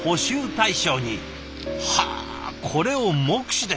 はあこれを目視で。